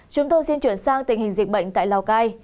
chúng tôi xin chuyển sang tình hình dịch bệnh tại lào cai